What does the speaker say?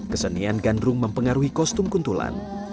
kesenian gandrung mempengaruhi kostum kuntulan